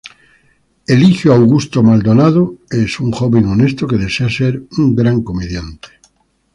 Eligio Augusto Maldonado es un joven honesto que desea ser un gran comediante.